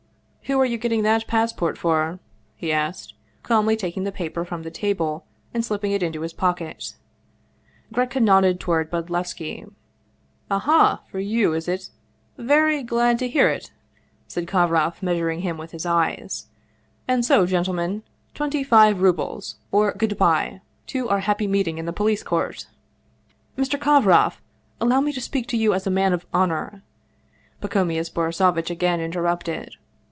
" Who are you getting that passport for ?" he asked, calmly taking the paper from the table and slipping it into his pocket. Gretcka nodded toward Bodlevski. " Aha ! for you, is it ? Very glad to hear it !" said Kovroff, measuring him with his eyes. " And so, gentle men, twenty five rubles, or good by to our happy meet ing in the police court !"" Mr. Kovroff ! Allow me to speak to you as a man of honor !" Pacomius Borisovitch again interrupted.